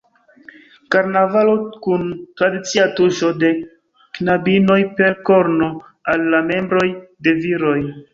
Karnavalo kun tradicia tuŝo de knabinoj per korno al la "membroj" de viroj.